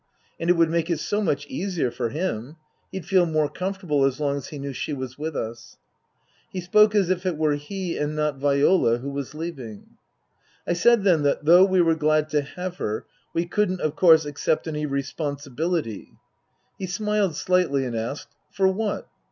And it would make it so much easier for him. He'd feel more comfortable as long as he knew she was with us. He spoke as if it were he and not Viola who was leaving. I said then that though we were glad to have her we couldn't, of course, accept any responsibility He smiled slightly and asked, " For what